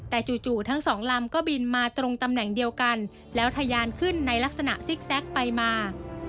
แต่จู่ทั้งสองลำก็บินมาตรงตำแหน่งเดียวกันแล้วทะยานขึ้นในลักษณะซิกแซคไปมา